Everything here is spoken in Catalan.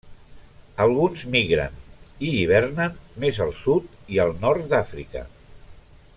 Alguns migren i hivernen més al sud i al nord d'Àfrica.